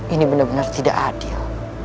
ini benar benar tidak adil